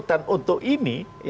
dan untuk ini